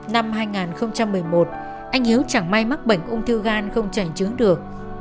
năm hai nghìn một mươi một anh hiếu chẳng may mắc bệnh ung thư gan không trảnh chứng được